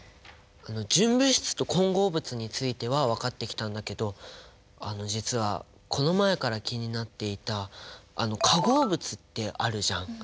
純物質と混合物については分かってきたんだけどあの実はこの前から気になっていた化合物ってあるじゃん。